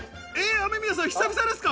雨宮さん、久々ですか？